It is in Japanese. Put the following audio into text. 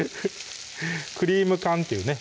クリーム缶っていうね